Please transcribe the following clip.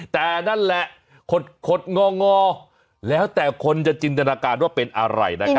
แต่นั่นแหละขดงองอแล้วแต่คนจะจินตนาการว่าเป็นอะไรนะครับ